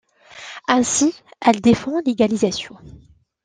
Ainsi, elle défend l'égalisation.